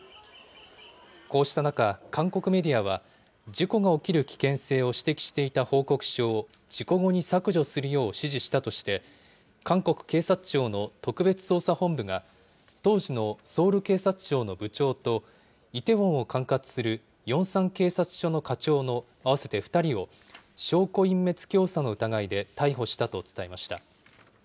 こうした中、韓国メディアは、事故が起きる危険性を指摘していた報告書を、事故後に削除するよう指示したとして、韓国警察庁の特別捜査本部が、当時のソウル警察庁の部長と、イテウォンを管轄するヨンサン警察署の課長の合わせて２人を、証拠隠滅教唆の疑いで逮捕したと伝えました。